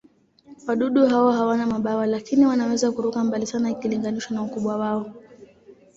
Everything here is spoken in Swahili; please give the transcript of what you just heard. Wadudu hao hawana mabawa, lakini wanaweza kuruka mbali sana ikilinganishwa na ukubwa wao.